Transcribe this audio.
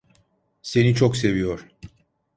Seni çok seviyor.